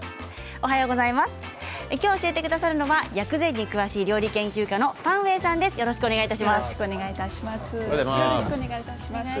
きょう教えてくださるのは薬膳に詳しい料理研究家のよろしくお願いします。